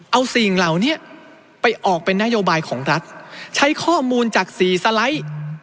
เอาสิ่งเหล่านี้ไปออกเป็นนโยบายของรัฐใช้ข้อมูลจากสี่สไลด์